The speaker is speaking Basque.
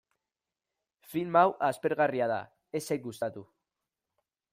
Film hau aspergarria da, ez zait gustatu.